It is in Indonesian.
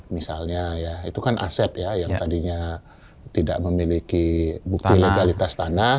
misalnya ya itu kan aset ya yang tadinya tidak memiliki bukti legalitas tanah